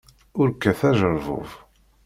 Ur kkat ajerbub.